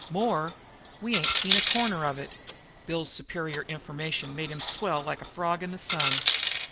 "More? We ain't seen a corner of it!" Bill's superior information made him swell like a frog in the sun.